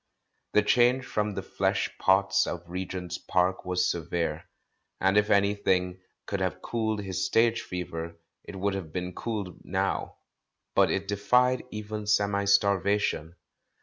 The change from the flesh pots of Regent's Park was severe, and if any thing could have cooled his stage fever, it would have been cooled now, but it defied even semi starvation.